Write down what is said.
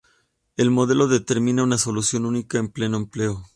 El modelo determina una solución única de pleno empleo.